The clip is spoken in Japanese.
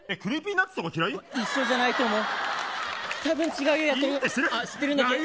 一緒じゃないと思う。